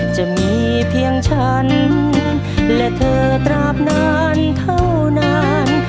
จะมีเพียงฉันและเธอตราบนานเท่านั้น